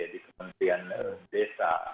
di kementerian desa